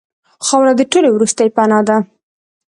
خاوره د ټولو وروستۍ پناه ده.